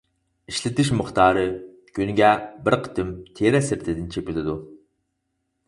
ئىشلىتىش مىقدارى: كۈنىگە بىر قېتىم تېرە سىرتىدىن چېپىلىدۇ.